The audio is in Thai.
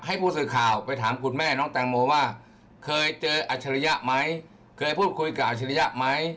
ให้ผู้สื่อข่าวไปถามคุณแม่น้องแตงโมว่าเคยเจออัจฉริยะไหมเคยพูดคุยกับอาชิริยะไหม